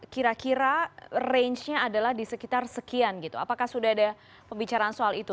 kira kira range nya adalah di sekitar sekian gitu apakah sudah ada pembicaraan soal itu